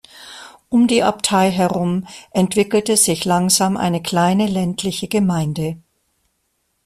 Um die Abtei herum entwickelte sich langsam eine kleine ländliche Gemeinde.